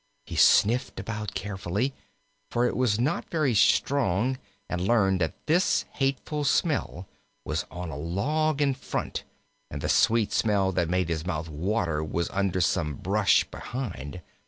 He sniffed about carefully, for it was not very strong, and learned that this hateful smell was on a log in front, and the sweet smell that made his mouth water was under some brush behind.